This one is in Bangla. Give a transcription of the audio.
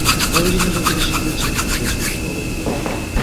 আমেরিকার লোকেরা শীঘ্রই ছাপা কাগজগুলি পাবে।